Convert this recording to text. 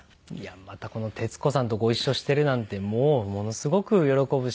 また徹子さんとご一緒してるなんてもうものすごく喜ぶし。